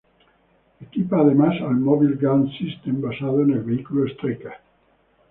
Equipa además al Mobile Gun System, basado en el vehículo Stryker.